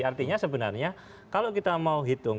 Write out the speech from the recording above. artinya sebenarnya kalau kita mau hitung